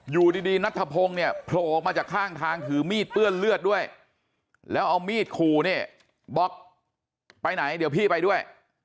อยู่ดีนัทธพงศ์เนี่ยโผล่ออกมาจากข้างทางถือมีดเปื้อนเลือดด้วยแล้วเอามีดขู่เนี่ยบอกไปไหนเดี๋ยวพี่ไปด้วย